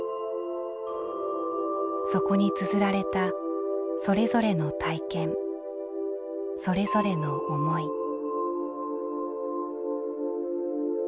そこにつづられたそれぞれの体験それぞれの思い。